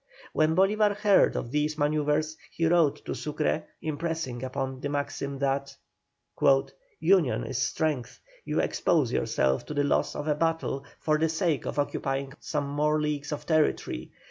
When Bolívar heard of these manœuvres he wrote to Sucre impressing upon him his maxim that "Union is strength. You expose yourself to the loss of a battle for the sake of occupying some more leagues of territory.